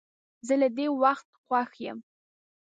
زه له دې وخت خوښ یم.